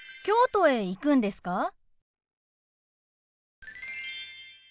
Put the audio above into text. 京都へ行くんですか？